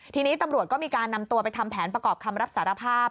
ทีนี้ตำรวจก็มีการนำตัวไปทำแผนประกอบคำรับสารภาพ